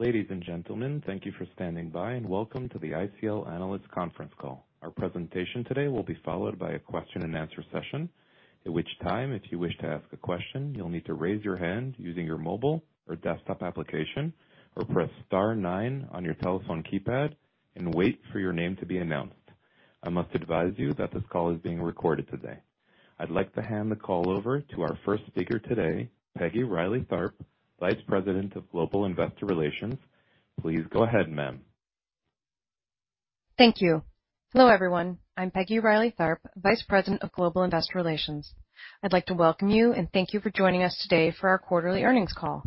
Ladies and gentlemen, thank you for standing by, and welcome to the ICL Analysts Conference Call. Our presentation today will be followed by a question and answer session, at which time, if you wish to ask a question, you'll need to raise your hand using your mobile or desktop application, or press star nine on your telephone keypad and wait for your name to be announced. I must advise you that this call is being recorded today. I'd like to hand the call over to our first speaker today, Peggy Reilly Tharp, Vice President of Global Investor Relations. Please go ahead, ma'am. Thank you. Hello, everyone. I'm Peggy Reilly Tharp, Vice President of Global Investor Relations. I'd like to welcome you and thank you for joining us today for our quarterly earnings call.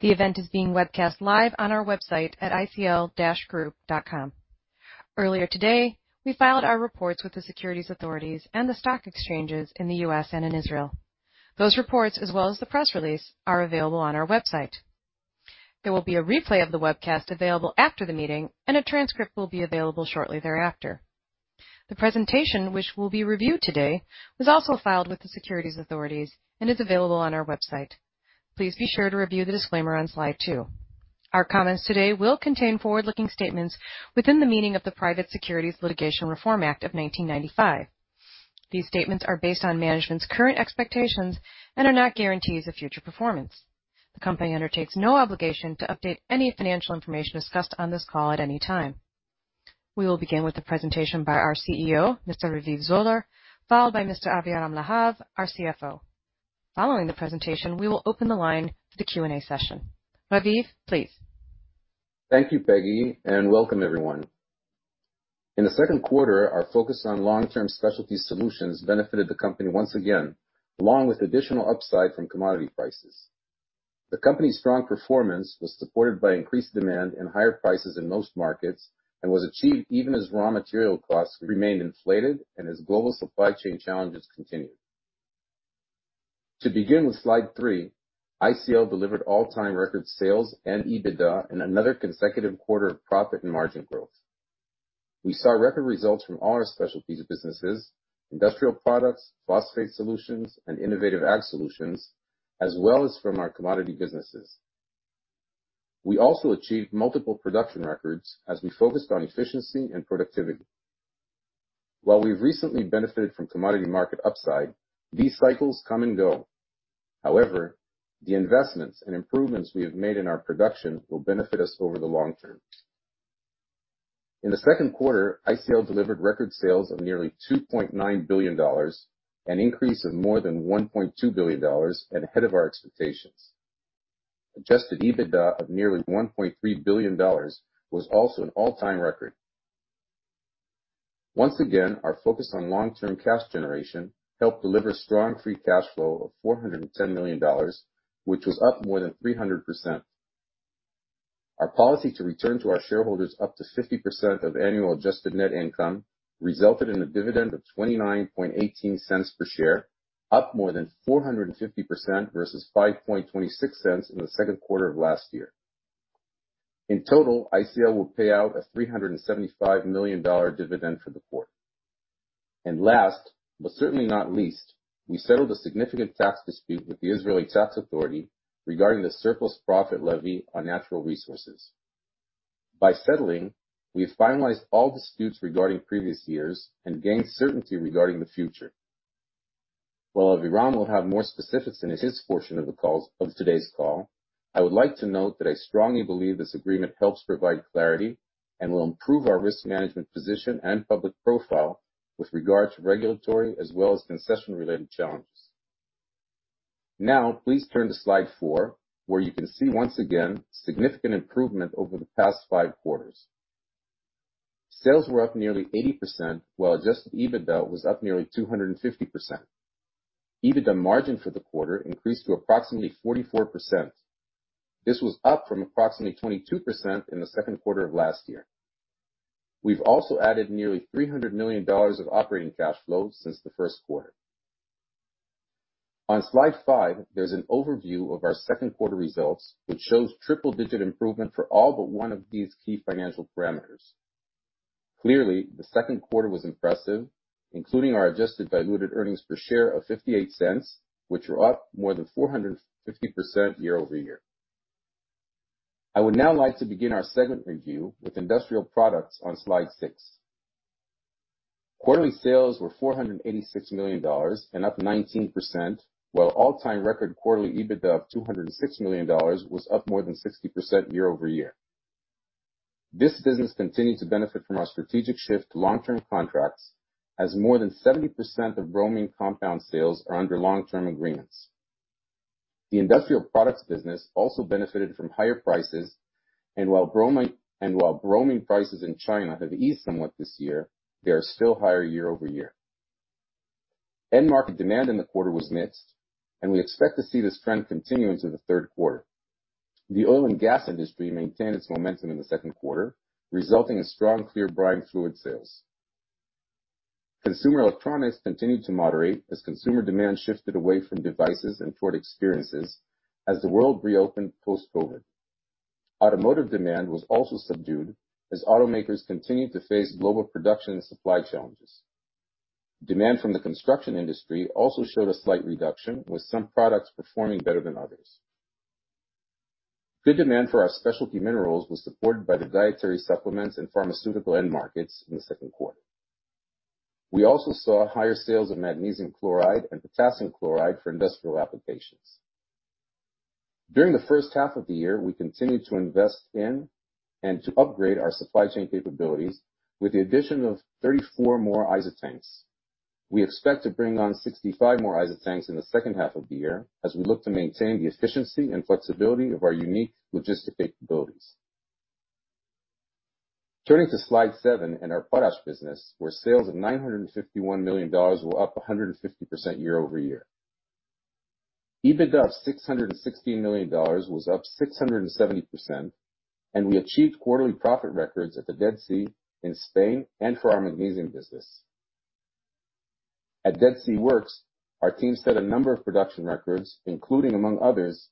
The event is being webcast live on our website at icl-group.com. Earlier today, we filed our reports with the securities authorities and the stock exchanges in the U.S. and in Israel. Those reports, as well as the press release, are available on our website. There will be a replay of the webcast available after the meeting, and a transcript will be available shortly thereafter. The presentation, which will be reviewed today, was also filed with the securities authorities and is available on our website. Please be sure to review the disclaimer on slide two. Our comments today will contain forward-looking statements within the meaning of the Private Securities Litigation Reform Act of 1995. These statements are based on management's current expectations and are not guarantees of future performance. The company undertakes no obligation to update any financial information discussed on this call at any time. We will begin with the presentation by our CEO, Mr. Raviv Zoller, followed by Mr. Aviram Lahav, our CFO. Following the presentation, we will open the line to the Q&A session. Raviv, please. Thank you, Peggy, and welcome everyone. In the second quarter, our focus on long-term specialty solutions benefited the company once again, along with additional upside from commodity prices. The company's strong performance was supported by increased demand and higher prices in most markets, and was achieved even as raw material costs remained inflated and as global supply chain challenges continued. To begin with slide three, ICL delivered all-time record sales and EBITDA in another consecutive quarter of profit and margin growth. We saw record results from all our specialties businesses, Industrial Products, Phosphate Solutions, and Innovative Ag Solutions, as well as from our commodity businesses. We also achieved multiple production records as we focused on efficiency and productivity. While we've recently benefited from commodity market upside, these cycles come and go. However, the investments and improvements we have made in our production will benefit us over the long term. In the second quarter, ICL delivered record sales of nearly $2.9 billion, an increase of more than $1.2 billion, and ahead of our expectations. Adjusted EBITDA of nearly $1.3 billion was also an all-time record. Once again, our focus on long-term cash generation helped deliver strong free cash flow of $410 million, which was up more than 300%. Our policy to return to our shareholders up to 50% of annual adjusted net income resulted in a dividend of $0.2918 per share, up more than 450% versus $0.0526 in the second quarter of last year. In total, ICL will pay out a $375 million dividend for the quarter. Last, but certainly not least, we settled a significant tax dispute with the Israel Tax Authority regarding the surplus profit levy on natural resources. By settling, we've finalized all disputes regarding previous years and gained certainty regarding the future. While Aviram will have more specifics in his portion of today's call, I would like to note that I strongly believe this agreement helps provide clarity and will improve our risk management position and public profile with regard to regulatory as well as concession-related challenges. Now, please turn to slide four, where you can see once again significant improvement over the past five quarters. Sales were up nearly 80%, while adjusted EBITDA was up nearly 250%. EBITDA margin for the quarter increased to approximately 44%. This was up from approximately 22% in the second quarter of last year. We've also added nearly $300 million of operating cash flow since the first quarter. On slide five, there's an overview of our second quarter results, which shows triple-digit improvement for all but one of these key financial parameters. Clearly, the second quarter was impressive, including our adjusted diluted earnings per share of $0.58, which were up more than 450% year-over-year. I would now like to begin our segment review with Industrial Products on slide six. Quarterly sales were $486 million and up 19%, while all-time record quarterly EBITDA of $206 million was up more than 60% year-over-year. This business continues to benefit from our strategic shift to long-term contracts, as more than 70% of bromine compound sales are under long-term agreements. The Industrial Products business also benefited from higher prices, and while bromine prices in China have eased somewhat this year, they are still higher year-over-year. End market demand in the quarter was mixed, and we expect to see this trend continue into the third quarter. The oil and gas industry maintained its momentum in the second quarter, resulting in strong clear brine fluids sales. Consumer electronics continued to moderate as consumer demand shifted away from devices and toward experiences as the world reopened post-COVID. Automotive demand was also subdued as automakers continued to face global production and supply challenges. Demand from the construction industry also showed a slight reduction, with some products performing better than others. Good demand for our specialty minerals was supported by the dietary supplements and pharmaceutical end markets in the second quarter. We also saw higher sales of magnesium chloride and potassium chloride for industrial applications. During the first half of the year, we continued to invest in and to upgrade our supply chain capabilities with the addition of 34 more ISO tanks. We expect to bring on 65 more ISO tanks in the second half of the year as we look to maintain the efficiency and flexibility of our unique logistic capabilities. Turning to slide seven in our potash business, where sales of $951 million were up 150% year-over-year. EBITDA of $616 million was up 670%, and we achieved quarterly profit records at the Dead Sea in Spain and for our magnesium business. At Dead Sea Works, our team set a number of production records, including among others,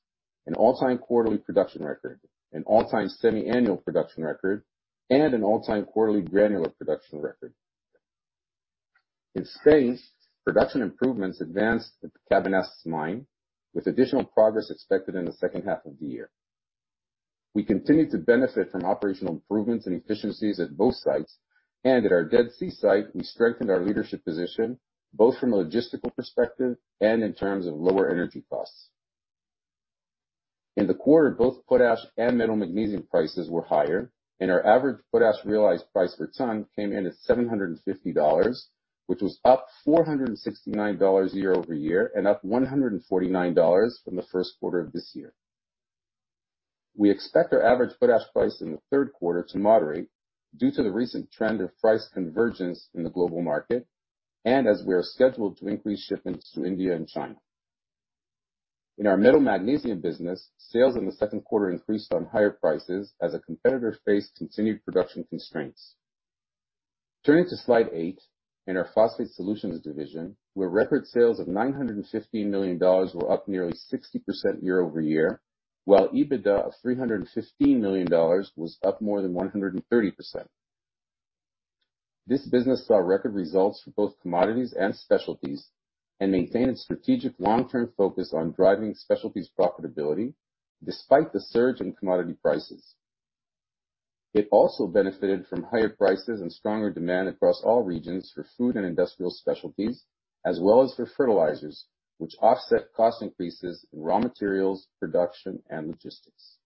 an all-time quarterly production record, an all-time semi-annual production record, and an all-time quarterly granular production record. In Spain, production improvements advanced at the Cabanas Mine, with additional progress expected in the second half of the year. We continue to benefit from operational improvements and efficiencies at both sites, and at our Dead Sea site, we strengthened our leadership position, both from a logistical perspective and in terms of lower energy costs. In the quarter, both potash and metal magnesium prices were higher, and our average potash realized price per ton came in at $750, which was up $469 year-over-year and up $149 from the first quarter of this year. We expect our average potash price in the third quarter to moderate due to the recent trend of price convergence in the global market and as we are scheduled to increase shipments to India and China. In our metal magnesium business, sales in the second quarter increased on higher prices as a competitor faced continued production constraints. Turning to slide eight, in our Phosphate Solutions division, where record sales of $915 million were up nearly 60% year-over-year, while EBITDA of $315 million was up more than 130%. This business saw record results for both commodities and specialties and maintained strategic long-term focus on driving specialties profitability despite the surge in commodity prices. It also benefited from higher prices and stronger demand across all regions for food and industrial specialties, as well as for fertilizers, which offset cost increases in raw materials, production, and logistics.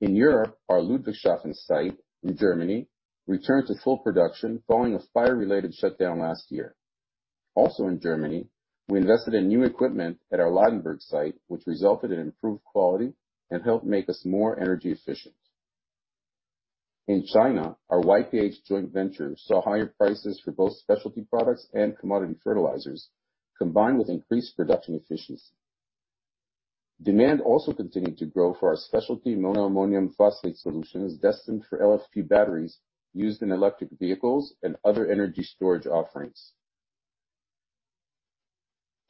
In Europe, our Ludwigshafen site in Germany returned to full production following a fire-related shutdown last year. Also in Germany, we invested in new equipment at our Ladenburg site, which resulted in improved quality and helped make us more energy efficient. In China, our YPC joint venture saw higher prices for both specialty products and commodity fertilizers, combined with increased production efficiency. Demand also continued to grow for our specialty monoammonium phosphate solutions destined for LFP batteries used in electric vehicles and other energy storage offerings.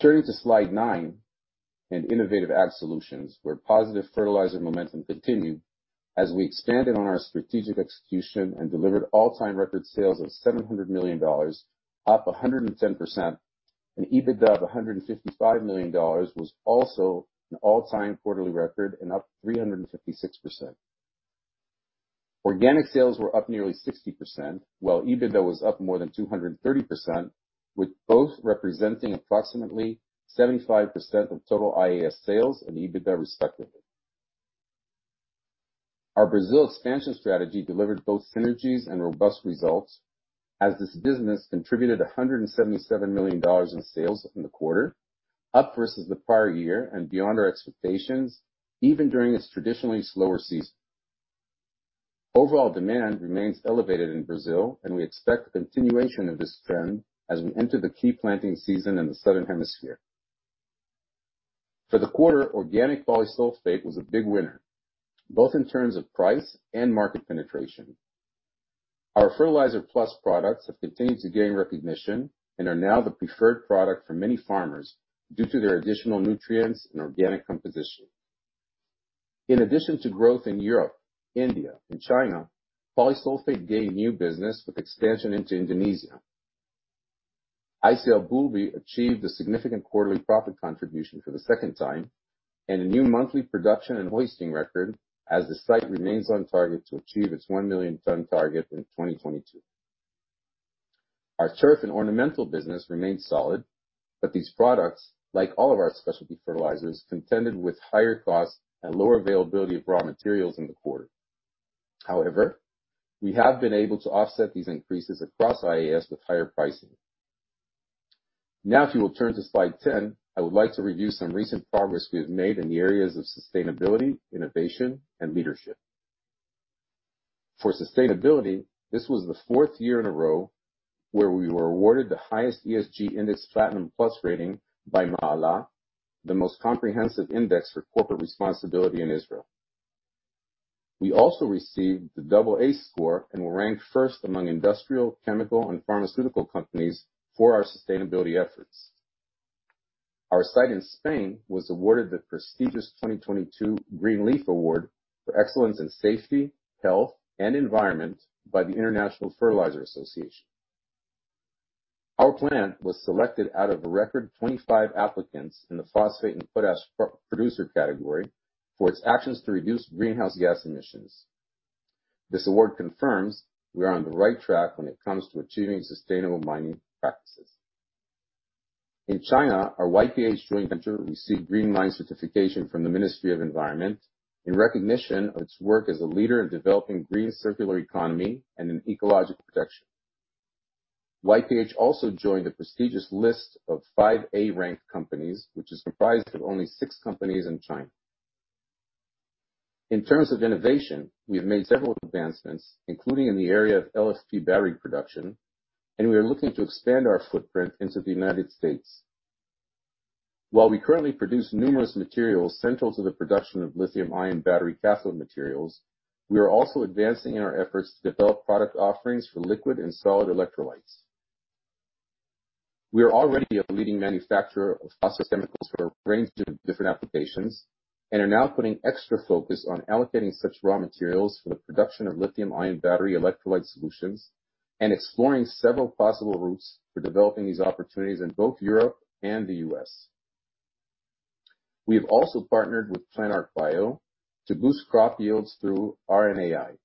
Turning to slide nine, in Innovative Ag Solutions, where positive fertilizer momentum continued as we expanded on our strategic execution and delivered all-time record sales of $700 million, up 110%, and EBITDA of $155 million was also an all-time quarterly record and up 356%. Organic sales were up nearly 60%, while EBITDA was up more than 230%, with both representing approximately 75% of total IAS sales and EBITDA, respectively. Our Brazil expansion strategy delivered both synergies and robust results as this business contributed $177 million in sales in the quarter, up versus the prior year and beyond our expectations, even during its traditionally slower season. Overall demand remains elevated in Brazil, and we expect continuation of this trend as we enter the key planting season in the Southern Hemisphere. For the quarter, organic Polysulphate was a big winner, both in terms of price and market penetration. Our FertilizerpluS products have continued to gain recognition and are now the preferred product for many farmers due to their additional nutrients and organic composition. In addition to growth in Europe, India, and China, Polysulphate gained new business with expansion into Indonesia. ICL Boulby achieved a significant quarterly profit contribution for the second time and a new monthly production and hoisting record as the site remains on target to achieve its 1 million ton target in 2022. Our turf and ornamental business remains solid, but these products, like all of our specialty fertilizers, contended with higher costs and lower availability of raw materials in the quarter. However, we have been able to offset these increases across IAS with higher pricing. Now, if you will turn to slide 10, I would like to review some recent progress we have made in the areas of sustainability, innovation, and leadership. For sustainability, this was the fourth year in a row where we were awarded the highest ESG Index Platinum Plus rating by Maala, the most comprehensive index for corporate responsibility in Israel. We also received the AA score and were ranked first among industrial, chemical, and pharmaceutical companies for our sustainability efforts. Our site in Spain was awarded the prestigious 2022 Green Leaf Award for excellence in safety, health, and environment by the International Fertilizer Association. Our plant was selected out of a record 25 applicants in the phosphate and potash producer category for its actions to reduce greenhouse gas emissions. This award confirms we are on the right track when it comes to achieving sustainable mining practices. In China, our YPC joint venture received Green Factory certification from the Ministry of Environment in recognition of its work as a leader in developing green circular economy and in ecological protection. YPC also joined the prestigious list of five A-ranked companies, which is comprised of only six companies in China. In terms of innovation, we have made several advancements, including in the area of LFP battery production, and we are looking to expand our footprint into the United States. While we currently produce numerous materials central to the production of lithium-ion battery cathode materials, we are also advancing in our efforts to develop product offerings for liquid and solid electrolytes. We are already a leading manufacturer of phosphorus chemicals for a range of different applications and are now putting extra focus on allocating such raw materials for the production of lithium-ion battery electrolyte solutions and exploring several possible routes for developing these opportunities in both Europe and the U.S. We have also partnered with PlantArcBio to boost crop yields through RNAi.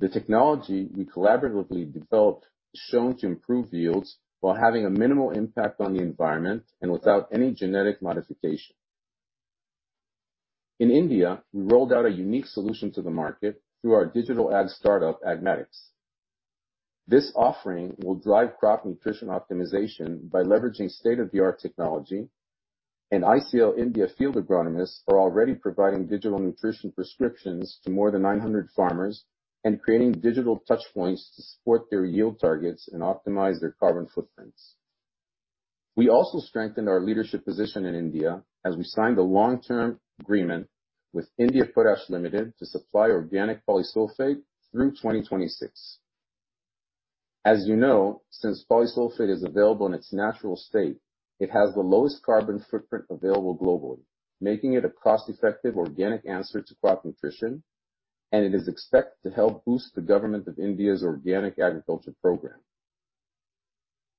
The technology we collaboratively developed is shown to improve yields while having a minimal impact on the environment and without any genetic modification. In India, we rolled out a unique solution to the market through our digital ag startup, Agmatix. This offering will drive crop nutrition optimization by leveraging state-of-the-art technology, and ICL India field agronomists are already providing digital nutrition prescriptions to more than 900 farmers and creating digital touch points to support their yield targets and optimize their carbon footprints. We also strengthened our leadership position in India as we signed a long-term agreement with Indian Potash Limited to supply organic Polysulphate through 2026. As you know, since Polysulphate is available in its natural state, it has the lowest carbon footprint available globally, making it a cost-effective organic answer to crop nutrition, and it is expected to help boost the government of India's organic agriculture program.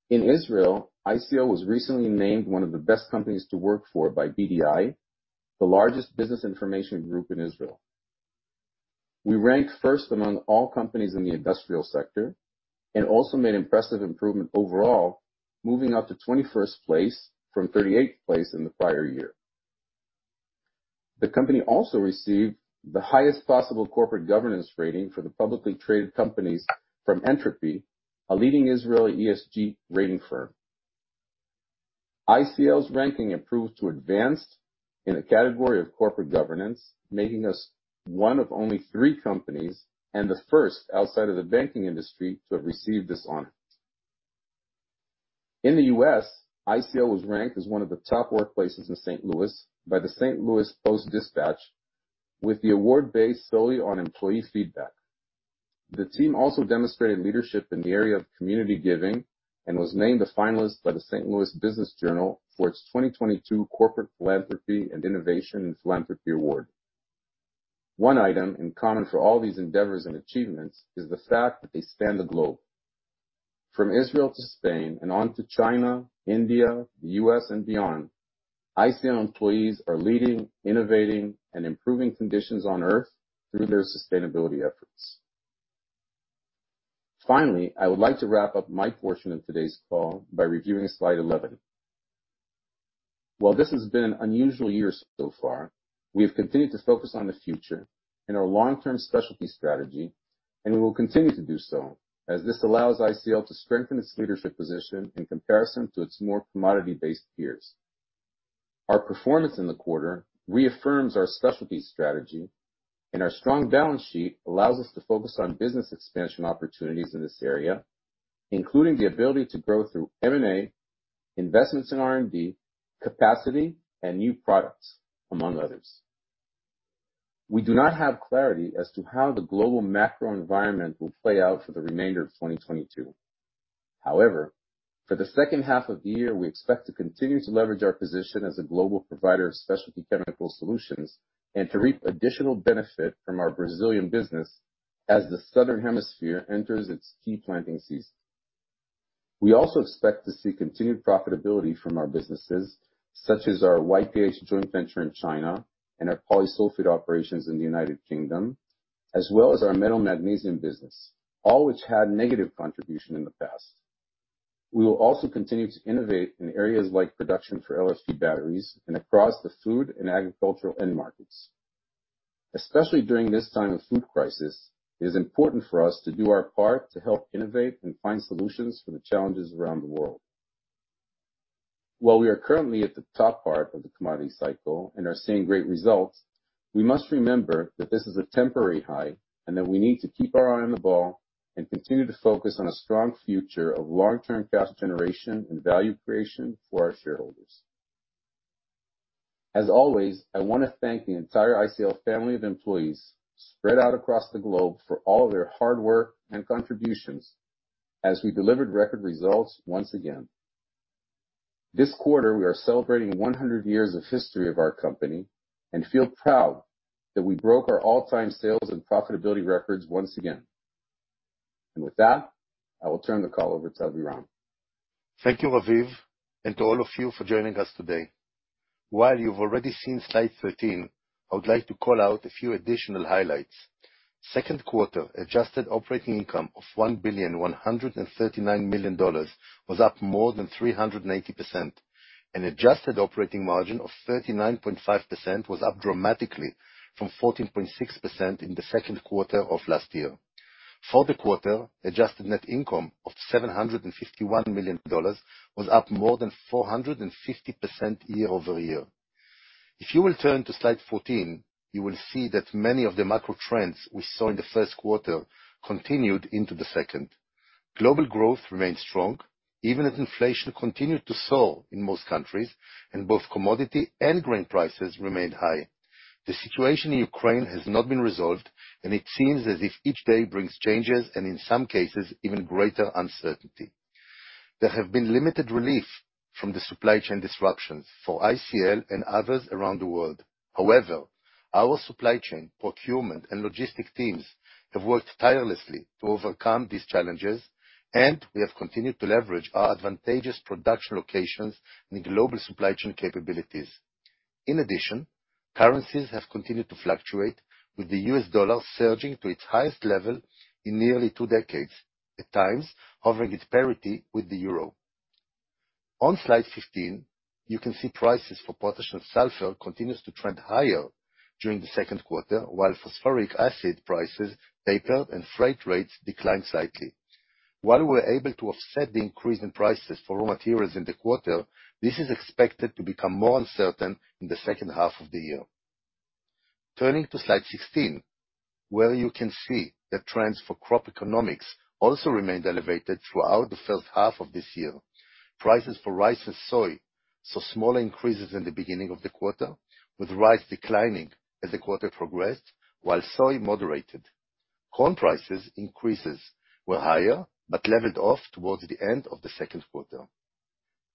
In Israel, ICL was recently named one of the best companies to work for by BDI, the largest business information group in Israel. We ranked first among all companies in the industrial sector and also made impressive improvement overall, moving up to 21st place from 38th place in the prior year. The company also received the highest possible corporate governance rating for the publicly traded companies from Entropy, a leading Israeli ESG rating firm. ICL's ranking improved to advanced in a category of corporate governance, making us one of only three companies and the first outside of the banking industry to have received this honor. In the U.S., ICL was ranked as one of the top workplaces in St. Louis by the St. Louis Post-Dispatch, with the award based solely on employee feedback. The team also demonstrated leadership in the area of community giving and was named a finalist by the St. Louis Business Journal for its 2022 Corporate Philanthropy and Innovation in Philanthropy Award. One item in common for all these endeavors and achievements is the fact that they span the globe. From Israel to Spain and on to China, India, the U.S., and beyond, ICL employees are leading, innovating, and improving conditions on Earth through their sustainability efforts. Finally, I would like to wrap up my portion of today's call by reviewing slide 11. While this has been an unusual year so far, we have continued to focus on the future and our long-term specialty strategy, and we will continue to do so as this allows ICL to strengthen its leadership position in comparison to its more commodity-based peers. Our performance in the quarter reaffirms our specialty strategy, and our strong balance sheet allows us to focus on business expansion opportunities in this area, including the ability to grow through M&A, investments in R&D, capacity, and new products, among others. We do not have clarity as to how the global macro environment will play out for the remainder of 2022. However, for the second half of the year, we expect to continue to leverage our position as a global provider of specialty chemical solutions and to reap additional benefit from our Brazilian business as the Southern Hemisphere enters its key planting season. We also expect to see continued profitability from our businesses, such as our YPC joint venture in China and our Polysulphate operations in the United Kingdom, as well as our metal magnesium business, all which had negative contribution in the past. We will also continue to innovate in areas like production for LFP batteries and across the food and agricultural end markets. Especially during this time of food crisis, it is important for us to do our part to help innovate and find solutions for the challenges around the world. While we are currently at the top part of the commodity cycle and are seeing great results, we must remember that this is a temporary high and that we need to keep our eye on the ball and continue to focus on a strong future of long-term cash generation and value creation for our shareholders. As always, I want to thank the entire ICL family of employees spread out across the globe for all their hard work and contributions as we delivered record results once again. This quarter, we are celebrating 100 years of history of our company and feel proud that we broke our all-time sales and profitability records once again. With that, I will turn the call over to Aviram. Thank you, Raviv, and to all of you for joining us today. While you've already seen slide 13, I would like to call out a few additional highlights. Second quarter adjusted operating income of $1.139 billion was up more than 380%. An adjusted operating margin of 39.5% was up dramatically from 14.6% in the second quarter of last year. For the quarter, adjusted net income of $751 million was up more than 450% year-over-year. If you will turn to slide 14, you will see that many of the macro trends we saw in the first quarter continued into the second. Global growth remained strong, even as inflation continued to soar in most countries, and both commodity and grain prices remained high. The situation in Ukraine has not been resolved, and it seems as if each day brings changes and, in some cases, even greater uncertainty. There have been limited relief from the supply chain disruptions for ICL and others around the world. However, our supply chain, procurement, and logistics teams have worked tirelessly to overcome these challenges, and we have continued to leverage our advantageous production locations and global supply chain capabilities. In addition, currencies have continued to fluctuate, with the U.S. dollar surging to its highest level in nearly two decades, at times hovering at parity with the euro. On slide 15, you can see prices for potash and sulfur continues to trend higher during the second quarter, while phosphoric acid prices tapered and freight rates declined slightly. While we were able to offset the increase in prices for raw materials in the quarter, this is expected to become more uncertain in the second half of the year. Turning to slide 16, where you can see the trends for crop economics also remained elevated throughout the first half of this year. Prices for rice and soy saw small increases in the beginning of the quarter, with rice declining as the quarter progressed, while soy moderated. Corn prices increases were higher, but leveled off towards the end of the second quarter.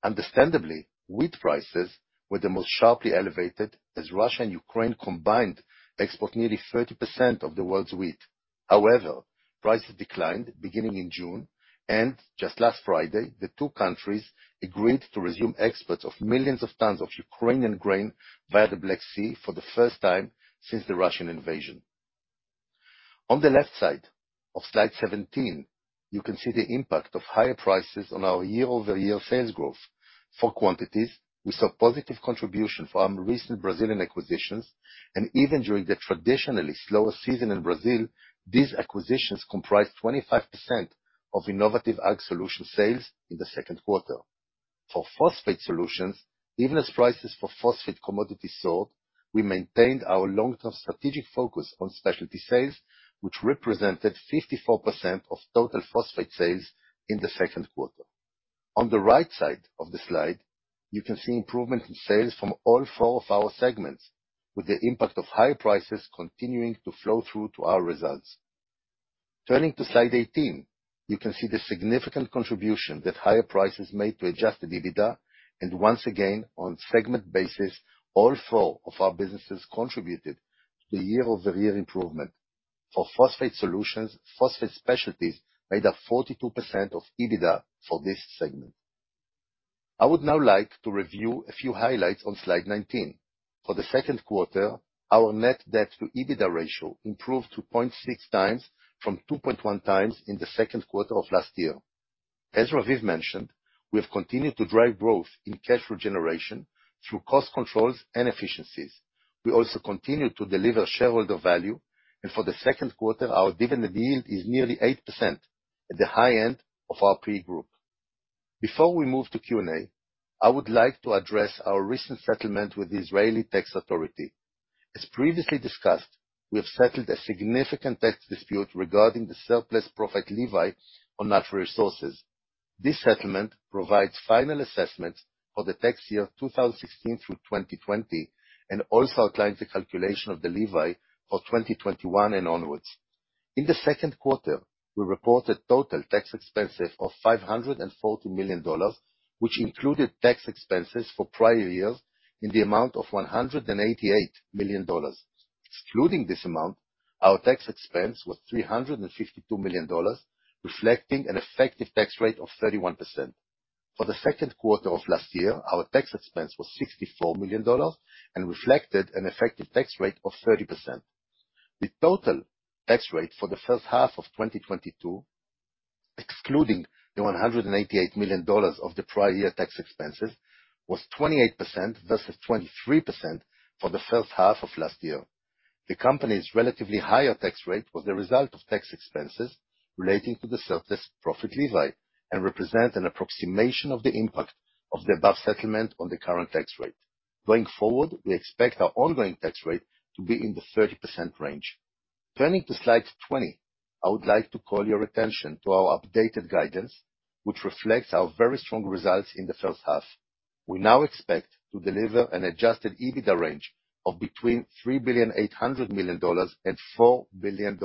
Understandably, wheat prices were the most sharply elevated, as Russia and Ukraine combined export nearly 30% of the world's wheat. However, prices declined beginning in June, and just last Friday, the two countries agreed to resume exports of millions of tons of Ukrainian grain via the Black Sea for the first time since the Russian invasion. On the left side of slide 17, you can see the impact of higher prices on our year-over-year sales growth. For quantities, we saw positive contribution from recent Brazilian acquisitions, and even during the traditionally slower season in Brazil, these acquisitions comprised 25% of Innovative Ag Solutions sales in the second quarter. For Phosphate Solutions, even as prices for phosphate commodities soared, we maintained our long-term strategic focus on specialty sales, which represented 54% of total phosphate sales in the second quarter. On the right side of the slide, you can see improvement in sales from all four of our segments, with the impact of higher prices continuing to flow through to our results. Turning to slide 18, you can see the significant contribution that higher prices made to adjusted EBITDA, and once again, on segment basis, all four of our businesses contributed to the year-over-year improvement. For Phosphate Solutions, phosphate specialties made up 42% of EBITDA for this segment. I would now like to review a few highlights on slide 19. For the second quarter, our net debt to EBITDA ratio improved to 0.6x from 2.1x in the second quarter of last year. As Raviv mentioned, we have continued to drive growth in cash flow generation through cost controls and efficiencies. We also continue to deliver shareholder value, and for the second quarter, our dividend yield is nearly 8% at the high end of our peer group. Before we move to Q&A, I would like to address our recent settlement with the Israel Tax Authority. As previously discussed, we have settled a significant tax dispute regarding the surplus profit levy on natural resources. This settlement provides final assessments for the tax year 2016 through 2020, and also outlines the calculation of the levy for 2021 and onwards. In the second quarter, we reported total tax expenses of $540 million, which included tax expenses for prior years in the amount of $188 million. Excluding this amount, our tax expense was $352 million, reflecting an effective tax rate of 31%. For the second quarter of last year, our tax expense was $64 million and reflected an effective tax rate of 30%. The total tax rate for the first half of 2022, excluding the $188 million of the prior year tax expenses, was 28% versus 23% for the first half of last year. The company's relatively higher tax rate was a result of tax expenses relating to the surplus profit levy and represent an approximation of the impact of the above settlement on the current tax rate. Going forward, we expect our ongoing tax rate to be in the 30% range. Turning to slide 20, I would like to call your attention to our updated guidance, which reflects our very strong results in the first half. We now expect to deliver an adjusted EBITDA range of between $3.8 billion and $4 billion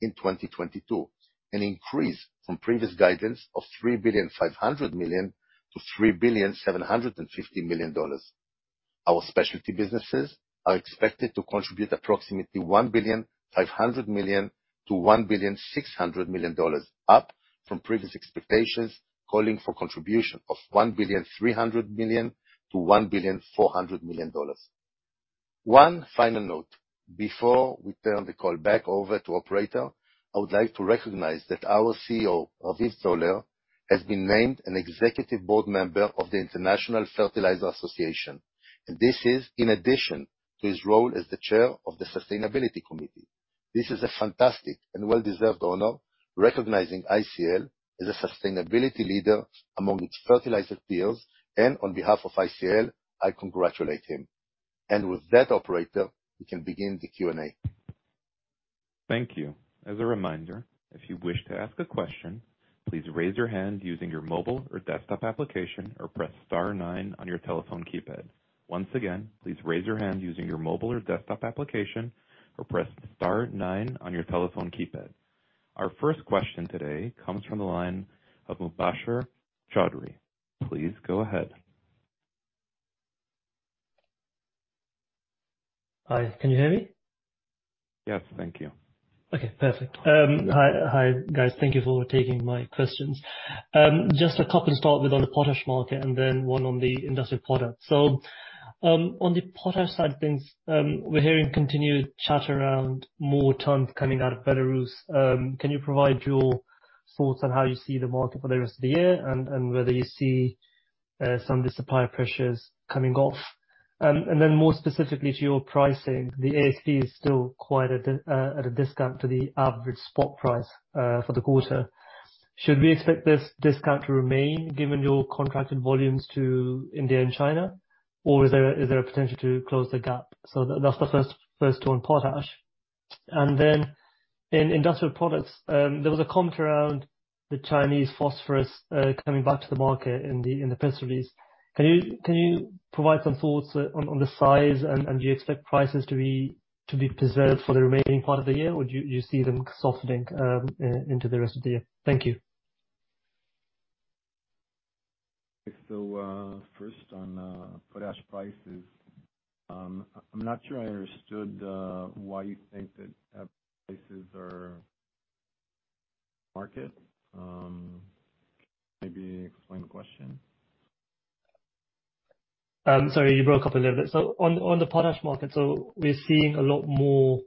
in 2022, an increase from previous guidance of $3.5 billion to $3.75 billion. Our specialty businesses are expected to contribute approximately $1.5 billion to $1.6 billion, up from previous expectations, calling for contribution of $1.3 billion to $1.4 billion. One final note before we turn the call back over to operator, I would like to recognize that our CEO, Raviv Zoller, has been named an executive board member of the International Fertilizer Association, and this is in addition to his role as the chair of the Sustainability Committee. This is a fantastic and well-deserved honor, recognizing ICL as a sustainability leader among its fertilizer peers, and on behalf of ICL, I congratulate him. With that operator, we can begin the Q&A. Thank you. As a reminder, if you wish to ask a question, please raise your hand using your mobile or desktop application or press star nine on your telephone keypad. Once again, please raise your hand using your mobile or desktop application or press star nine on your telephone keypad. Our first question today comes from the line of Mubasher Chaudhry. Please go ahead. Hi. Can you hear me? Yes. Thank you. Okay, perfect. Hi, guys. Thank you for taking my questions. Just a couple to start with on the potash market and then one on the industrial product. On the potash side of things, we're hearing continued chatter around more tons coming out of Belarus. Can you provide your thoughts on how you see the market for the rest of the year and whether you see some of the supply pressures coming off? And then more specifically to your pricing, the ASP is still quite at a discount to the average spot price for the quarter. Should we expect this discount to remain given your contracted volumes to India and China, or is there a potential to close the gap? That's the first one, potash. In Industrial Products, there was a comment around the Chinese phosphorus coming back to the market in the press release. Can you provide some thoughts on the size and do you expect prices to be preserved for the remaining part of the year or do you see them softening into the rest of the year? Thank you. First on potash prices. I'm not sure I understood why you think that our prices are market. Maybe explain the question. Sorry, you broke up a little bit. On the potash market, we're seeing a lot more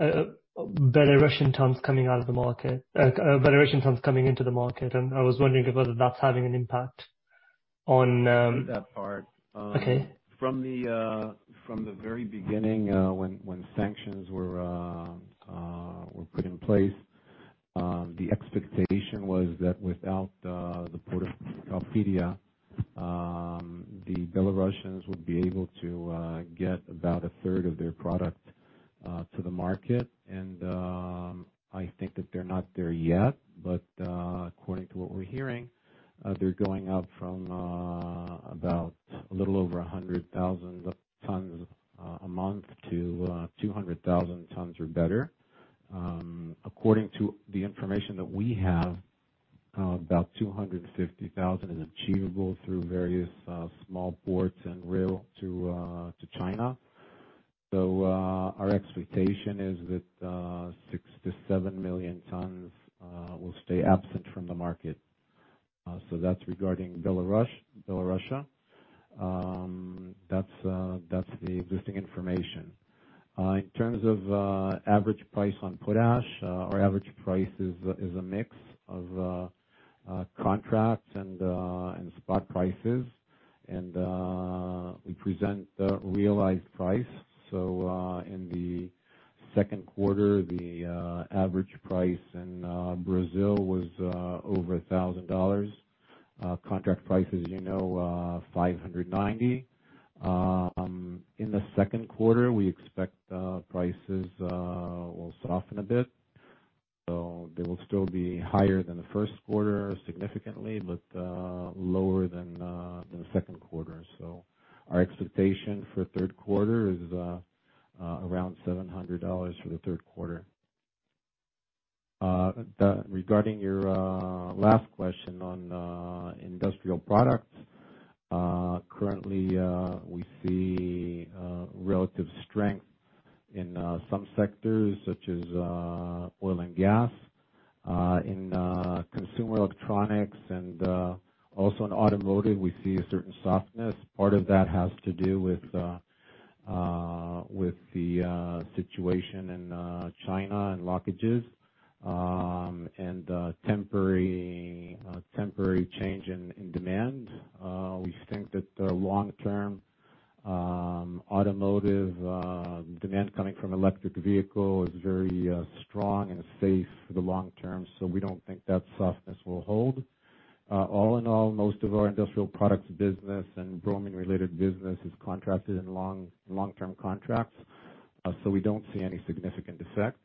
Belarusian tons coming into the market, and I was wondering whether that's having an impact on. That part. Okay. From the very beginning, when sanctions were put in place, the expectation was that without the Port of Klaipėda, the Belarusians would be able to get about a third of their product to the market. I think that they're not there yet. According to what we're hearing, they're going out from about a little over 100,000 tons a month to 200,000 tons or better. According to the information that we have, about 250,000 is achievable through various small ports and rail to China. Our expectation is that 6 million tons-7 million tons will stay absent from the market. That's regarding Belarus. That's the existing information. In terms of average price on potash, our average price is a mix of contracts and spot prices, and we present the realized price. In the second quarter, the average price in Brazil was over $1,000. Contract price, as you know, $590. In the second quarter, we expect prices will soften a bit. They will still be higher than the first quarter significantly, but lower than the second quarter. Our expectation for third quarter is around $700 for the third quarter. Regarding your last question on industrial products, currently we see relative strength in some sectors, such as oil and gas. In consumer electronics and also in automotive, we see a certain softness. Part of that has to do with the situation in China and lockdowns and temporary change in demand. We think that the long-term automotive demand coming from electric vehicle is very strong and safe for the long term, so we don't think that softness will hold. All in all, most of our Industrial Products business and bromine-related business is contracted in long-term contracts. We don't see any significant effect.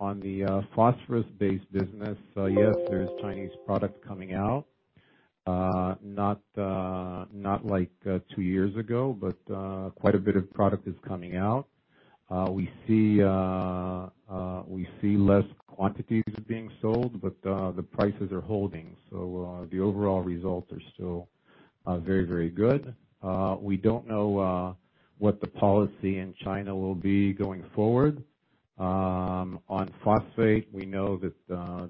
On the phosphorus-based business, yes, there is Chinese product coming out. Not like two years ago, but quite a bit of product is coming out. We see less quantities being sold, but the prices are holding. The overall results are still very good. We don't know what the policy in China will be going forward. On phosphate, we know that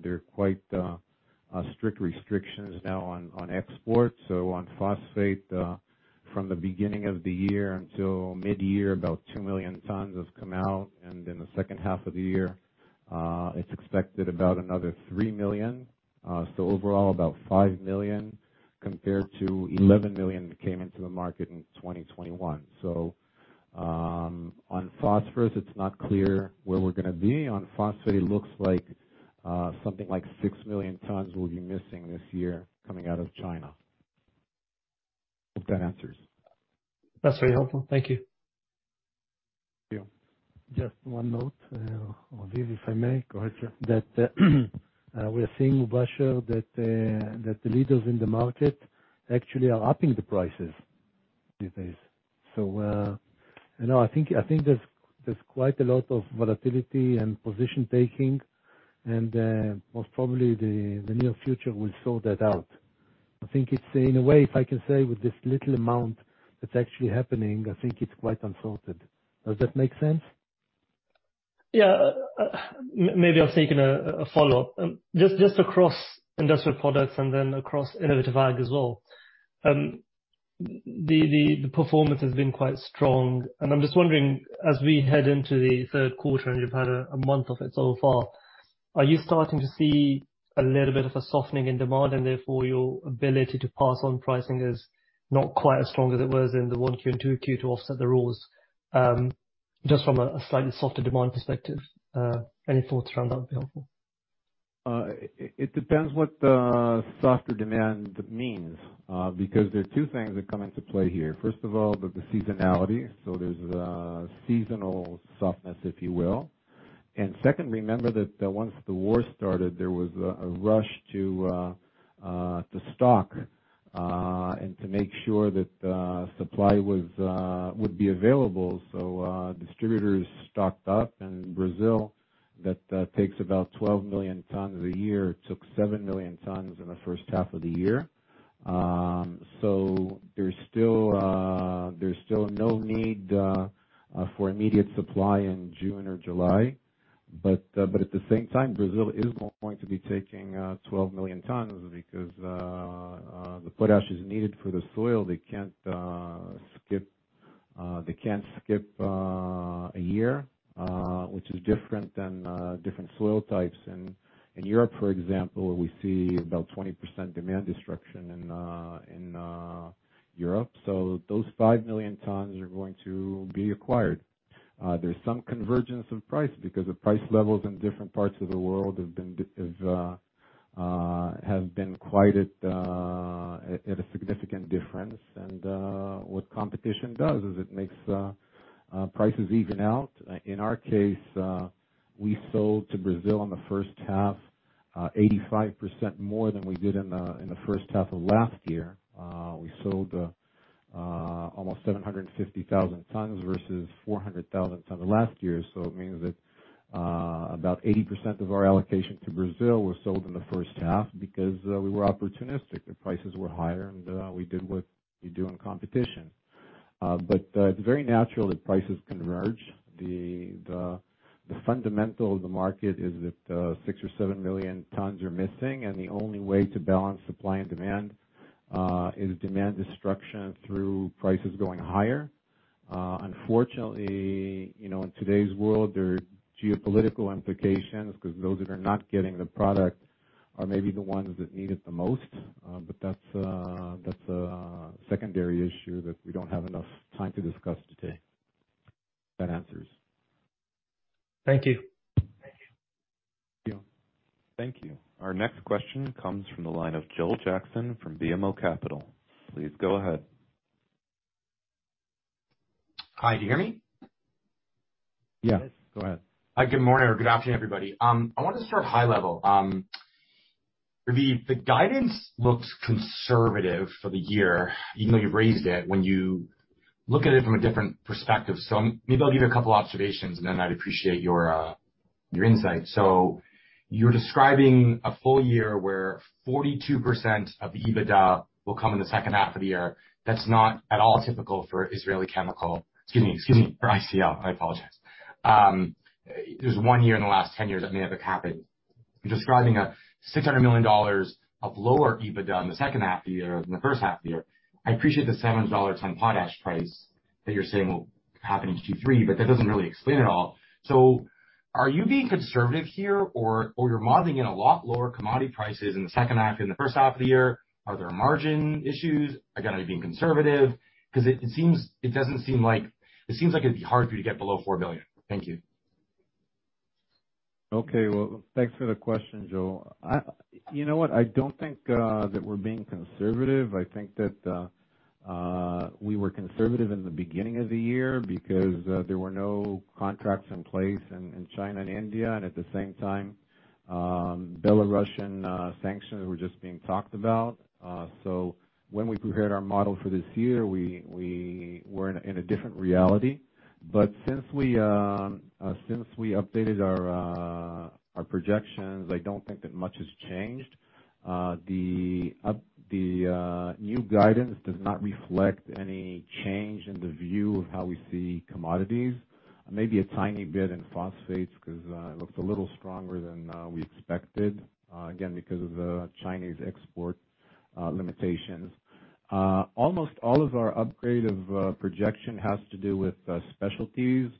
there are quite strict restrictions now on export. On phosphate, from the beginning of the year until midyear, about 2 million tons have come out, and in the second half of the year, it's expected about another 3 million. Overall about 5 million compared to 11 million that came into the market in 2021. On phosphorus, it's not clear where we're gonna be. On phosphate, it looks like something like 6 million tons will be missing this year coming out of China. Hope that answers. That's very helpful. Thank you. Thank you. Just one note, Raviv, if I may. Go ahead, sir. That we're seeing, Mubasher, that the leaders in the market actually are upping the prices these days. You know, I think there's quite a lot of volatility and position taking, and most probably the near future will sort that out. I think it's, in a way, if I can say with this little amount that's actually happening, I think it's quite unsorted. Does that make sense? Yeah. Maybe I'll take a follow-up. Just across Industrial Products and then across Innovative Ag as well, the performance has been quite strong, and I'm just wondering, as we head into the third quarter, and you've had a month of it so far, are you starting to see a little bit of a softening in demand, and therefore, your ability to pass on pricing is not quite as strong as it was in the Q1 and Q2 to offset the rules? Just from a slightly softer demand perspective, any thoughts around that would be helpful? It depends what the softer demand means, because there are two things that come into play here. First of all, the seasonality, so there's a seasonal softness, if you will. Second, remember that once the war started, there was a rush to stock and to make sure that supply would be available. Distributors stocked up. In Brazil, that takes about 12 million tons a year, took 7 million tons in the first half of the year. There's still no need for immediate supply in June or July. At the same time, Brazil is going to be taking 12 million tons because the potash is needed for the soil. They can't skip a year, which is different than different soil types. In Europe, for example, we see about 20% demand destruction in Europe. Those 5 million tons are going to be acquired. There's some convergence of price because the price levels in different parts of the world have been quite at a significant difference. What competition does is it makes prices even out. In our case, we sold to Brazil in the first half 85% more than we did in the first half of last year. We sold almost 750,000 tons versus 400,000 tons last year. It means that about 80% of our allocation to Brazil was sold in the first half because we were opportunistic. The prices were higher, and we did what we do in competition. It's very natural that prices converge. The fundamental of the market is that 6 million tons or 7 million tons are missing, and the only way to balance supply and demand is demand destruction through prices going higher. Unfortunately, you know, in today's world, there are geopolitical implications 'cause those that are not getting the product are maybe the ones that need it the most. That's a secondary issue that we don't have enough time to discuss today. That answers. Thank you. Thank you. Thank you. Thank you. Our next question comes from the line of Joel Jackson from BMO Capital Markets. Please go ahead. Hi, do you hear me? Yes. Yes. Go ahead. Hi, good morning or good afternoon, everybody. I wanted to start high level. The guidance looks conservative for the year, even though you've raised it, when you look at it from a different perspective. Maybe I'll give you a couple observations, and then I'd appreciate your insight. You're describing a full year where 42% of the EBITDA will come in the second half of the year. That's not at all typical for Israel Chemicals. Excuse me, for ICL. I apologize. There's one year in the last ten years that may have happened. You're describing $600 million of lower EBITDA in the second half of the year than the first half of the year. I appreciate the $7.10 potash price that you're saying will happen in Q3, but that doesn't really explain it all. Are you being conservative here, or you're modeling in a lot lower commodity prices in the second half than the first half of the year? Are there margin issues? Again, are you being conservative? 'Cause it seems like it'd be hard for you to get below $4 billion. Thank you. Okay. Well, thanks for the question, Joe. You know what? I don't think that we're being conservative. I think that we were conservative in the beginning of the year because there were no contracts in place in China and India, and at the same time, Belarusian sanctions were just being talked about. When we prepared our model for this year, we were in a different reality. Since we updated our projections, I don't think that much has changed. The new guidance does not reflect any change in the view of how we see commodities. Maybe a tiny bit in phosphates 'cause it looks a little stronger than we expected, again, because of the Chinese export limitations. Almost all of our upgrade of projection has to do with specialties.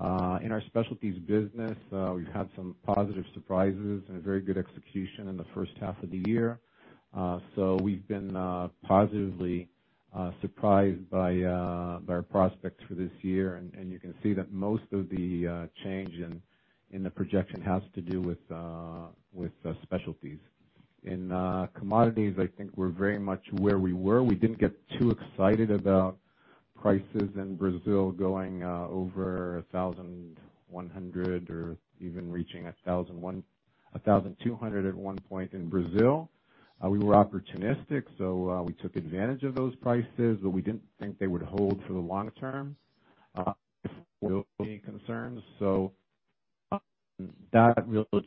In our specialties business, we've had some positive surprises and a very good execution in the first half of the year. We've been positively surprised by our prospects for this year, and you can see that most of the change in the projection has to do with specialties. In commodities, I think we're very much where we were. We didn't get too excited about prices in Brazil going over 1,100 or even reaching 1,200 at one point in Brazil. We were opportunistic, so we took advantage of those prices, but we didn't think they would hold for the long term. Any concerns. That's the real look.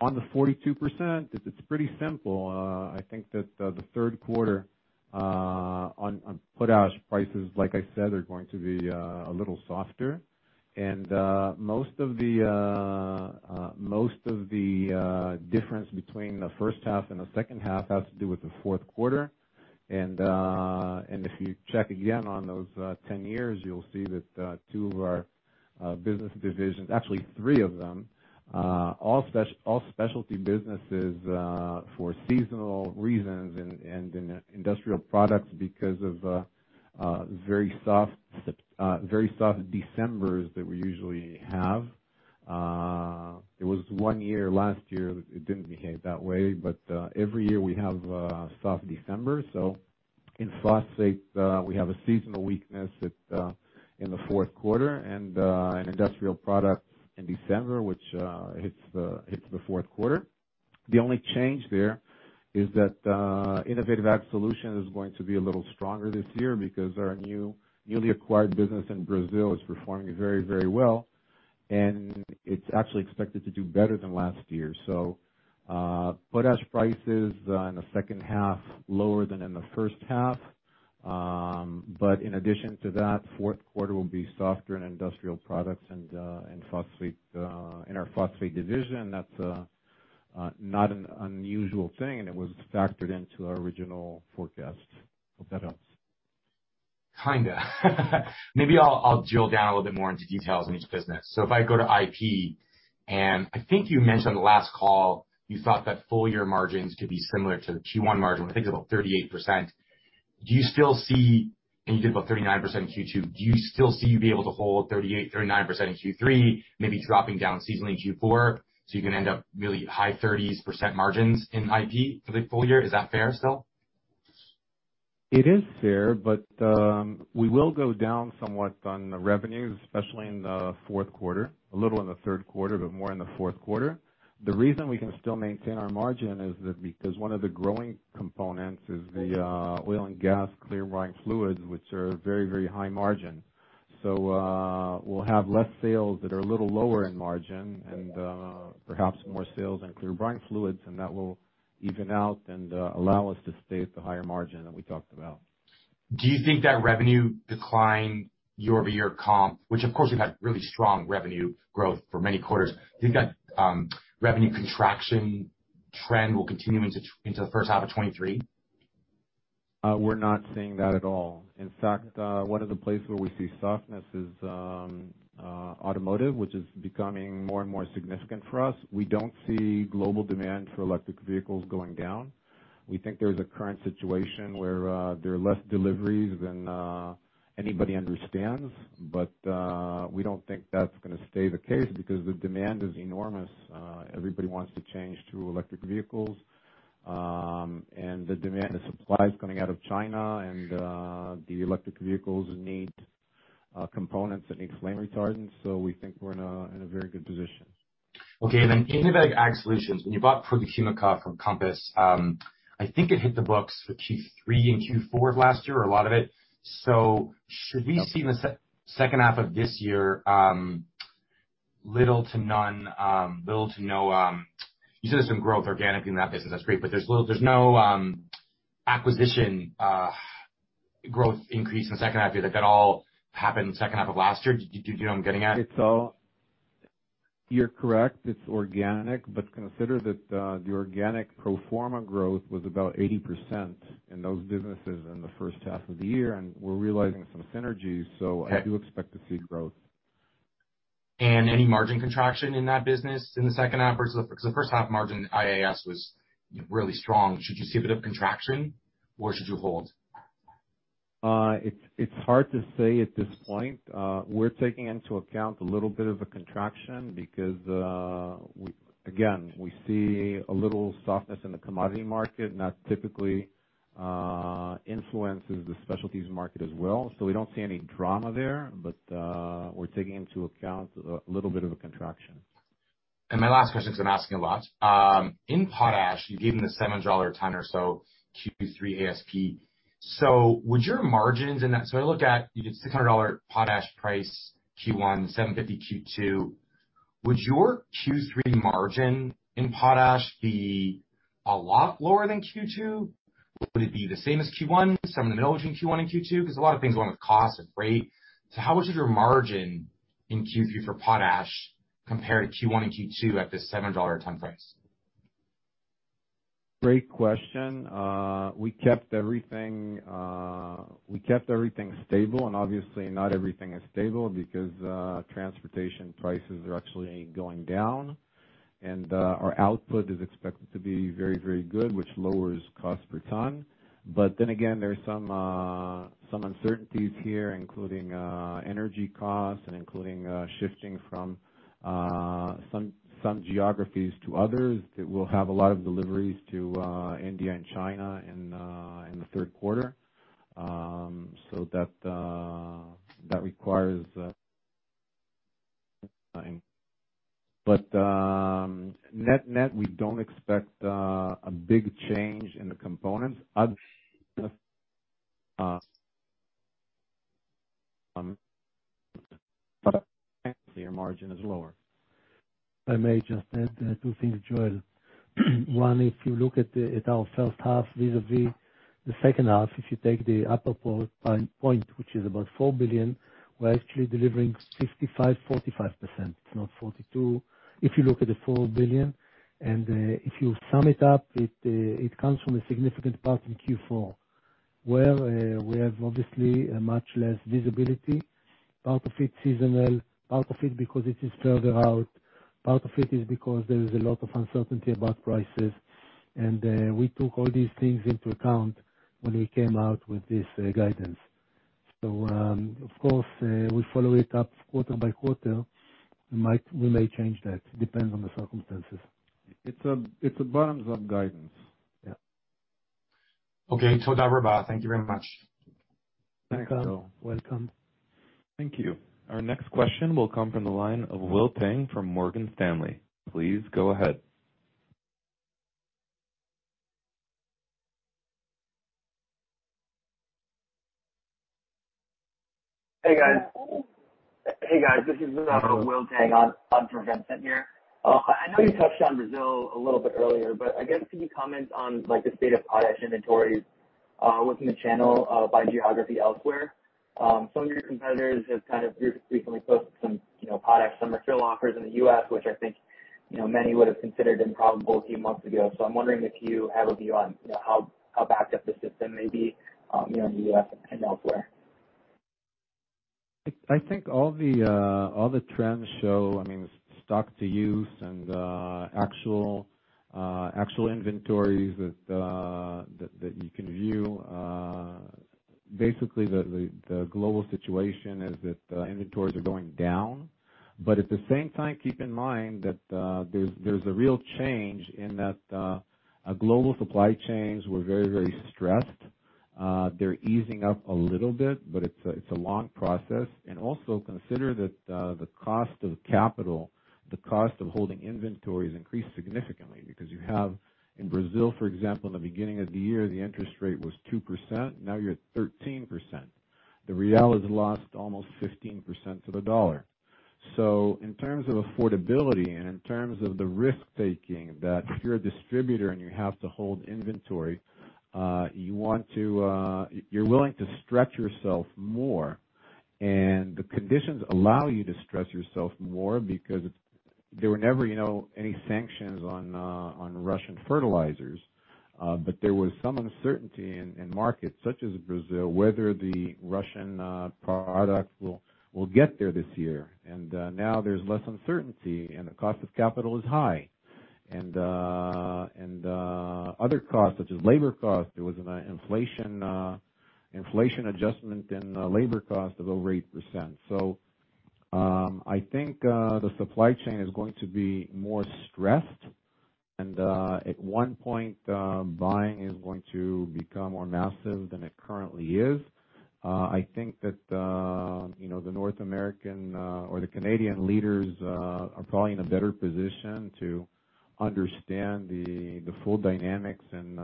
On the 42%, it's pretty simple. I think that the third quarter on potash prices, like I said, are going to be a little softer. If you check again on those 10 years, you'll see that two of our business divisions, actually three of them, all specialty businesses, for seasonal reasons and in Industrial Products because of very soft Decembers that we usually have. It was one year last year it didn't behave that way, but every year we have a soft December. In phosphate, we have a seasonal weakness in the fourth quarter and in Industrial Products in December, which hits the fourth quarter. The only change there is that Innovative Ag Solutions is going to be a little stronger this year because our newly acquired business in Brazil is performing very, very well, and it's actually expected to do better than last year. Potash prices in the second half lower than in the first half. In addition to that, fourth quarter will be softer in Industrial Products and in phosphate in our phosphate division. That's not an unusual thing, and it was factored into our original forecast. Hope that helps. Kinda. Maybe I'll drill down a little bit more into details in each business. If I go to IP, and I think you mentioned the last call, you thought that full year margins could be similar to the Q1 margin. I think it's about 38%. Do you still see? And you did about 39% in Q2. Do you still see you be able to hold 38%-39% in Q3, maybe dropping down seasonally in Q4, so you can end up really high 30s% margins in IP for the full year? Is that fair still? It is fair, but we will go down somewhat on the revenues, especially in the fourth quarter. A little in the third quarter, but more in the fourth quarter. The reason we can still maintain our margin is that because one of the growing components is the oil and gas clear brine fluids, which are very, very high margin. We'll have less sales that are a little lower in margin and perhaps more sales in clear brine fluids, and that will even out and allow us to stay at the higher margin that we talked about. Do you think that revenue decline year-over-year comp, which of course you had really strong revenue growth for many quarters, do you think that revenue contraction trend will continue into the first half of 2023? We're not seeing that at all. In fact, one of the places where we see softness is automotive, which is becoming more and more significant for us. We don't see global demand for electric vehicles going down. We think there's a current situation where there are less deliveries than anybody understands. We don't think that's gonna stay the case because the demand is enormous. Everybody wants to change to electric vehicles. The demand and supplies coming out of China and the electric vehicles need components that need flame retardants. We think we're in a very good position. Okay. Innovative Ag Solutions, when you bought Produquímica from Compass Minerals, I think it hit the books for Q3 and Q4 of last year, a lot of it. Should we see in the second half of this year, little to none, little to no. You said there's some growth organically in that business, that's great, but there's no acquisition growth increase in the second half. That got all happened in the second half of last year. Do you know what I'm getting at? You're correct, it's organic, but consider that, the organic pro forma growth was about 80% in those businesses in the first half of the year, and we're realizing some synergies. I do expect to see growth. Any margin contraction in that business in the second half? 'Cause the first half margin IAS was, you know, really strong. Should you see a bit of contraction or should you hold? It's hard to say at this point. We're taking into account a little bit of a contraction because we again see a little softness in the commodity market, and that typically influences the specialties market as well. We don't see any drama there, but we're taking into account a little bit of a contraction. My last question, because I'm asking a lot. In potash, you gave them the $7/ton or so Q3 ASP. Would your margins in that I look at you get $600 potash price Q1, $750 Q2. Would your Q3 margin in potash be a lot lower than Q2? Would it be the same as Q1, somewhere in the middle between Q1 and Q2? Because a lot of things go on with cost and rate. How much is your margin in Q3 for potash compared to Q1 and Q2 at this $7/ton price? Great question. We kept everything stable and obviously not everything is stable because transportation prices are actually going down and our output is expected to be very good, which lowers cost per ton. There's some uncertainties here, including energy costs and including shifting from some geographies to others, that we'll have a lot of deliveries to India and China in the third quarter. That requires. Net-net, we don't expect a big change in the components. Actually your margin is lower. If I may just add two things, Joel. One, if you look at our first half vis-à-vis the second half, if you take the upper point, which is about $4 billion, we're actually delivering 55%-45%. It's not 42%, if you look at the $4 billion. If you sum it up, it comes from a significant part in Q4, where we have obviously much less visibility. Part of it's seasonal, part of it because it is further out, part of it is because there is a lot of uncertainty about prices. We took all these things into account when we came out with this guidance. Of course, we follow it up quarter by quarter. We may change that, depends on the circumstances. It's a bottoms up guidance. Yeah. Okay. Thank you. Our next question will come from the line of Will Tang from Morgan Stanley. Please go ahead. Hey, guys. This is Will Tang, on for [Vincent] here. I know you touched on Brazil a little bit earlier, but I guess can you comment on, like, the state of potash inventories within the channel by geography elsewhere? Some of your competitors have kind of recently posted some, you know, potash summer fill offers in the U.S., which I think, you know, many would have considered improbable a few months ago. I'm wondering if you have a view on, you know, how backed up the system may be, you know, in the U.S. and elsewhere. I think all the trends show, I mean, stock-to-use and actual inventories that you can view, basically the global situation is that inventories are going down. At the same time, keep in mind that there's a real change in that global supply chains were very stressed. They're easing up a little bit, but it's a long process. Also consider that the cost of capital, the cost of holding inventory has increased significantly because you have, in Brazil, for example, in the beginning of the year, the interest rate was 2%, now you're at 13%. The real has lost almost 15% to the dollar. In terms of affordability and in terms of the risk-taking, if you're a distributor and you have to hold inventory, you're willing to stretch yourself more. The conditions allow you to stretch yourself more because there were never, you know, any sanctions on Russian fertilizers. There was some uncertainty in markets such as Brazil whether the Russian products will get there this year. Now there's less uncertainty and the cost of capital is high. Other costs such as labor costs, there was an inflation adjustment in the labor cost of over 8%. I think the supply chain is going to be more stressed. At one point, buying is going to become more massive than it currently is. I think that, you know, the North American or the Canadian leaders are probably in a better position to understand the full dynamics in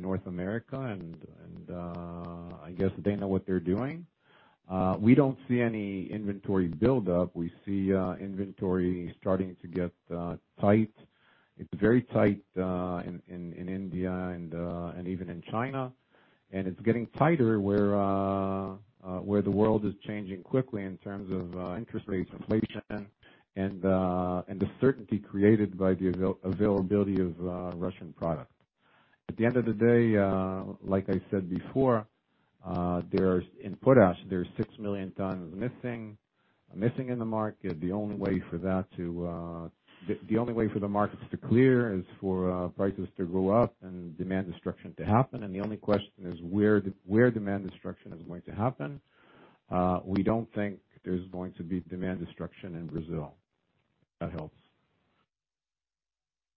North America, and I guess they know what they're doing. We don't see any inventory buildup. We see inventory starting to get tight. It's very tight in India and even in China. It's getting tighter where the world is changing quickly in terms of interest rates, inflation, and the certainty created by the availability of Russian product. At the end of the day, like I said before, in potash, there's 6 million tons missing in the market. The only way for that to... The only way for the markets to clear is for prices to go up and demand destruction to happen. The only question is where demand destruction is going to happen. We don't think there's going to be demand destruction in Brazil. If that helps.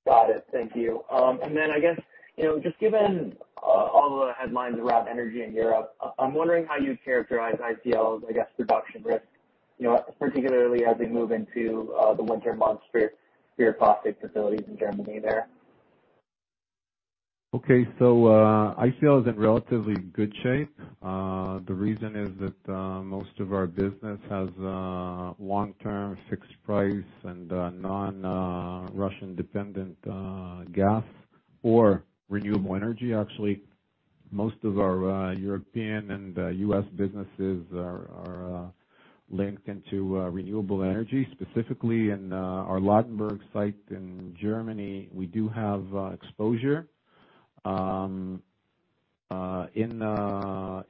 Got it. Thank you. I guess, you know, just given all the headlines around energy in Europe, I'm wondering how you characterize ICL's, I guess, production risk, you know, particularly as we move into the winter months for your phosphate facilities in Germany there? ICL is in relatively good shape. The reason is that most of our business has long-term fixed price and non-Russian-dependent gas or renewable energy. Actually, most of our European and U.S. businesses are linked into renewable energy. Specifically in our Ladenburg site in Germany, we do have exposure.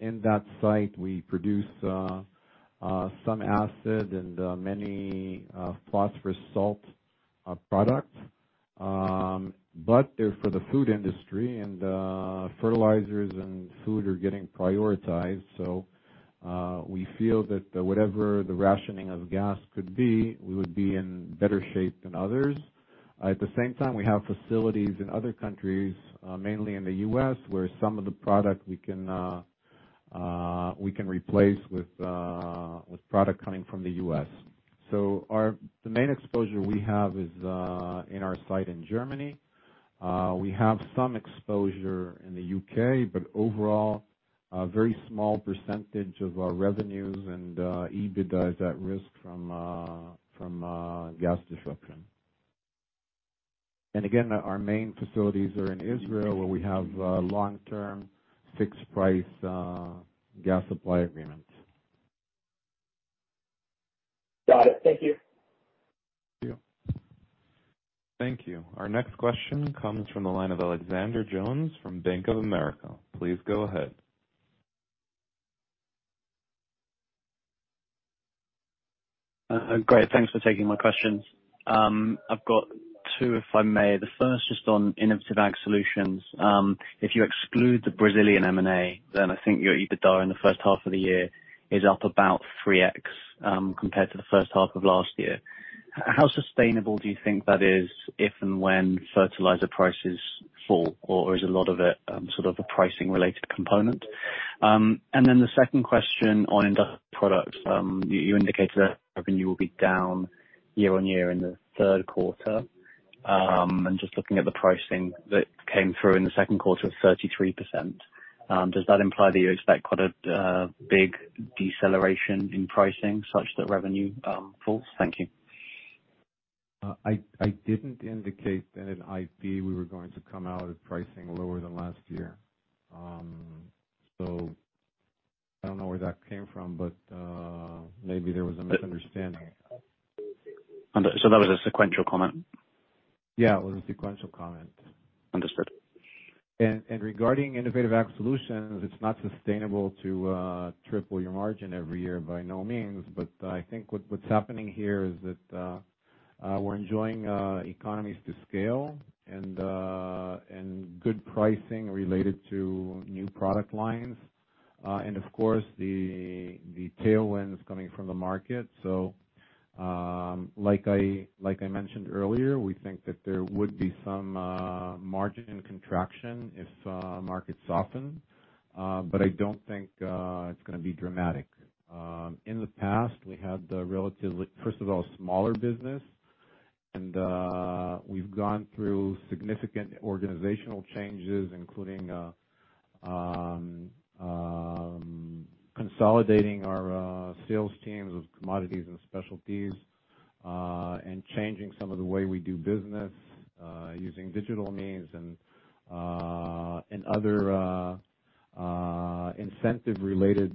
In that site, we produce some acid and many phosphate salts products. But they're for the food industry, and fertilizers and food are getting prioritized. We feel that whatever the rationing of gas could be, we would be in better shape than others. At the same time, we have facilities in other countries, mainly in the U.S., where some of the product we can replace with product coming from the U.S. The main exposure we have is in our site in Germany. We have some exposure in the U.K., but overall, a very small percentage of our revenues and EBITDA is at risk from gas disruption. Again, our main facilities are in Israel, where we have long-term fixed price gas supply agreements. Got it. Thank you. Thank you. Thank you. Our next question comes from the line of Alexander Jones from Bank of America. Please go ahead. Great. Thanks for taking my questions. I've got two, if I may. The first just on Innovative Ag Solutions. If you exclude the Brazilian M&A, then I think your EBITDA in the first half of the year is up about 3x compared to the first half of last year. How sustainable do you think that is if and when fertilizer prices fall, or is a lot of it sort of a pricing-related component? And then the second question on Industrial Products. You indicated that revenue will be down year-over-year in the third quarter. And just looking at the pricing that came through in the second quarter of 33%, does that imply that you expect quite a big deceleration in pricing such that revenue falls? Thank you. I didn't indicate that in IP, we were going to come out at pricing lower than last year. I don't know where that came from, but maybe there was a misunderstanding. That was a sequential comment? Yeah, it was a sequential comment. Understood. Regarding Innovative Ag Solutions, it's not sustainable to triple your margin every year by no means. I think what's happening here is that we're enjoying economies of scale and good pricing related to new product lines. Of course, the tailwind is coming from the market. Like I mentioned earlier, we think that there would be some margin contraction if markets soften. I don't think it's gonna be dramatic. In the past, we had a relatively, first of all, smaller business. We've gone through significant organizational changes, including consolidating our sales teams with commodities and specialties, and changing some of the way we do business using digital means and other incentive-related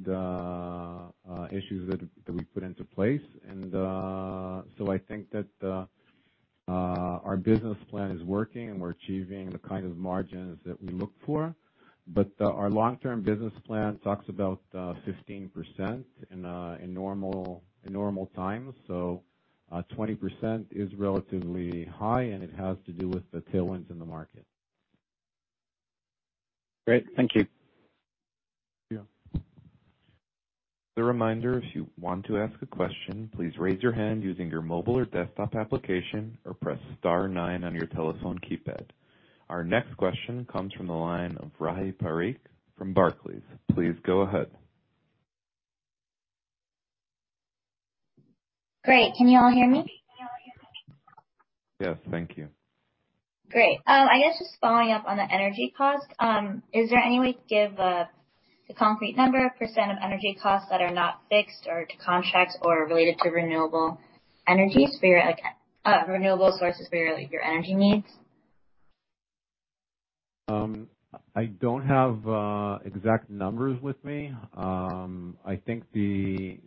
issues that we put into place. I think that our business plan is working and we're achieving the kind of margins that we look for. Our long-term business plan talks about 15% in normal times. 20% is relatively high, and it has to do with the tailwinds in the market. Great. Thank you. Thank you. Just a reminder, if you want to ask a question, please raise your hand using your mobile or desktop application or press star nine on your telephone keypad. Our next question comes from the line of Rahi Parikh from Barclays. Please go ahead. Great. Can you all hear me? Yes. Thank you. Great. I guess just following up on the energy cost. Is there any way to give the concrete number or percent of energy costs that are not fixed or to contracts or related to renewable energy for your, like, renewable sources for your, like, your energy needs? I don't have exact numbers with me. I think the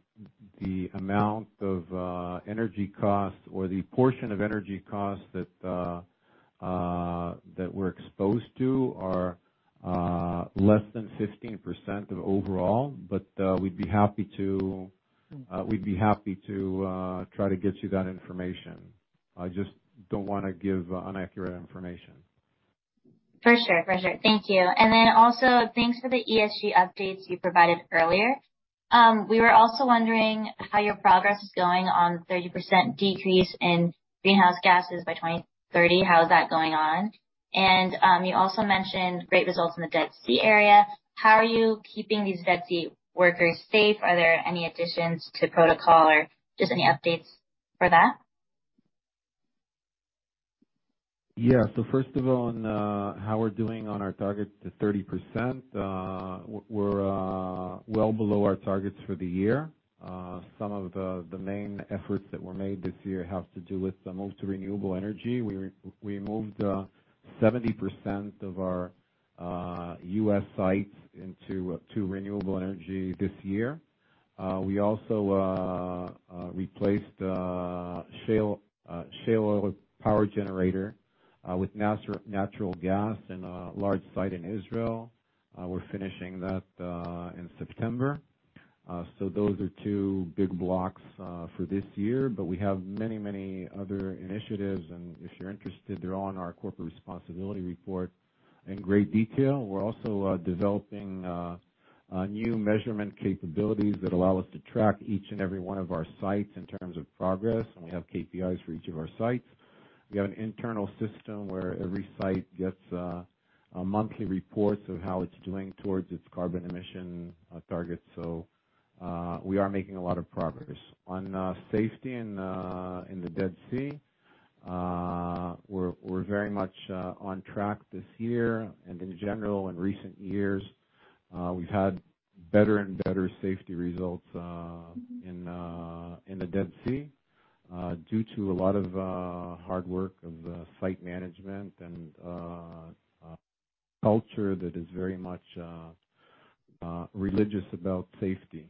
amount of energy costs or the portion of energy costs that we're exposed to are less than 15% of overall, but we'd be happy to try to get you that information. I just don't wanna give inaccurate information. For sure. Thank you. Then also thanks for the ESG updates you provided earlier. We were also wondering how your progress is going on 30% decrease in greenhouse gases by 2030. How is that going on? You also mentioned great results in the Dead Sea area. How are you keeping these Dead Sea workers safe? Are there any additions to protocol or just any updates for that? Yeah. First of all, on how we're doing on our target to 30%, we're well below our targets for the year. Some of the main efforts that were made this year have to do with the move to renewable energy. We moved 70% of our U.S. sites to renewable energy this year. We also replaced shale oil power generator with natural gas in a large site in Israel. We're finishing that in September. Those are two big blocks for this year, but we have many other initiatives, and if you're interested, they're all on our corporate responsibility report in great detail. We're also developing a new measurement capabilities that allow us to track each and every one of our sites in terms of progress, and we have KPIs for each of our sites. We have an internal system where every site gets a monthly report of how it's doing towards its carbon emission targets. We are making a lot of progress. On safety in the Dead Sea, we're very much on track this year. In general, in recent years, we've had better and better safety results in the Dead Sea due to a lot of hard work of the site management and culture that is very much religious about safety.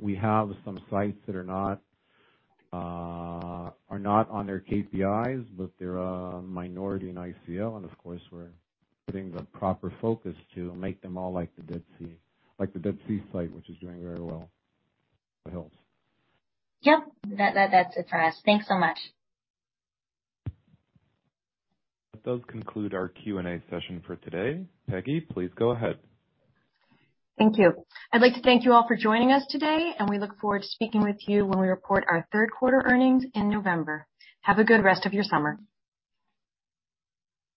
We have some sites that are not on their KPIs, but they're a minority in ICL, and of course, we're putting the proper focus to make them all like the Dead Sea, like the Dead Sea site, which is doing very well. What else? Yep. That's it for us. Thanks so much. That does conclude our Q&A session for today. Peggy, please go ahead. Thank you. I'd like to thank you all for joining us today, and we look forward to speaking with you when we report our third quarter earnings in November. Have a good rest of your summer.